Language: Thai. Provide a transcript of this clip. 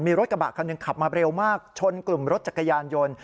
มีรถกระบะคันหนึ่งขับมาเร็วมากชนกลุ่มรถจักรยานยนต์